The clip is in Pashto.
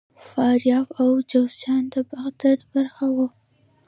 فاریاب او جوزجان د باختر برخه وو